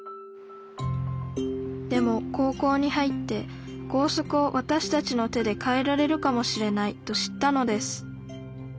でも高校に入って「校則をわたしたちの手で変えられるかもしれない」と知ったのです。